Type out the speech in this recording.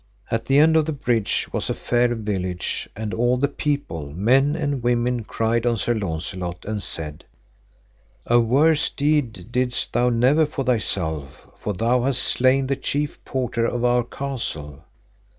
At the end of the bridge was a fair village, and all the people, men and women, cried on Sir Launcelot, and said, A worse deed didst thou never for thyself, for thou hast slain the chief porter of our castle.